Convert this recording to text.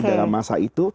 dalam masa itu